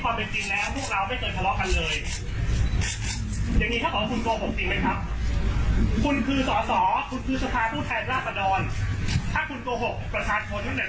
เราจะไว้แจ้งคุณกำลังในสะพานั้นยังไงครับ